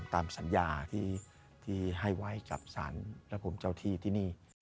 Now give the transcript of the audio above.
ตามสัญญาที่ให้ไว้กับศาลและผมเจ้าที่ที่นี่